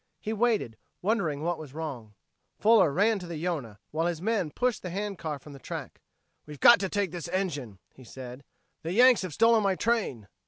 He waited, wondering what was wrong. Fuller ran to the Yonah, while his men pushed the hand car from the track. "We'll have to take this engine," he said. "The Yanks have stolen my train!"